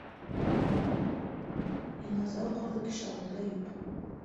Йыназа уҡырҙыҡ кеше ауылда юҡ.